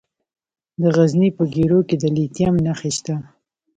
د غزني په ګیرو کې د لیتیم نښې شته.